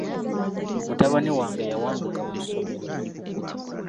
Mutabani wange yawanduka mu ssomero.